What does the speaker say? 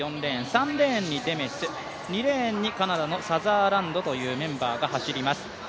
３レーンにデメス、２レーンにカナダのサザーランドというメンバーが走ります。